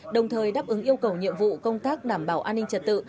đồng thời đáp ứng yêu cầu nhiệm vụ công tác đảm bảo an ninh trật tự